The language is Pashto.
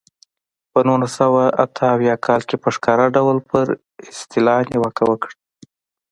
په نولس سوه اته اویا کال کې په ښکاره ډول پر اصطلاح نیوکه وکړه.